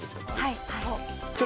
はい。